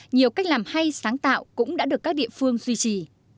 nhiều cách làm hay sáng tạo cũng đã được các địa phương duy trì